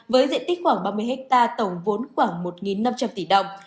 với diện tích khoảng ba mươi hectare tổng vốn khoảng một năm trăm linh tỷ đồng